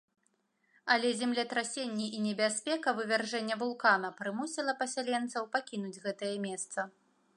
Але землетрасенні і небяспека вывяржэння вулкана прымусіла пасяленцаў пакінуць гэтае месца.